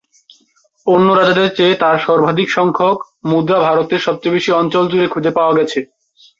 অন্য রাজাদের চেয়ে তার সর্বাধিক সংখ্যক মুদ্রা ভারতের সবচেয়ে বেশি অঞ্চল জুড়ে খুঁজে পাওয়া গেছে।